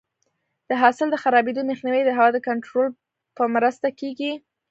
د حاصل د خرابېدو مخنیوی د هوا د کنټرول په مرسته کېږي.